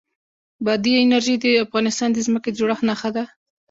بادي انرژي د افغانستان د ځمکې د جوړښت نښه ده.